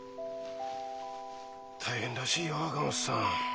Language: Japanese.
大変らしいよ赤松さん。